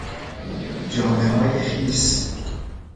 جامههای خیس